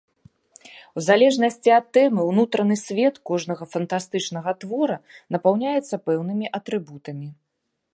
У залежнасці ад тэмы ўнутраны свет кожнага фантастычнага твора напаўняецца пэўнымі атрыбутамі.